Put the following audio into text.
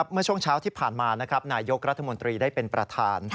เมื่อช่วงเช้าที่ผ่านมานายยกรัฐมนตรีได้เป็นประธาน